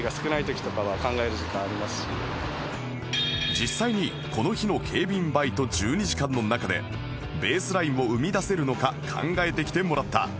実際にこの日の警備員バイト１２時間の中でベースラインを生み出せるのか考えてきてもらった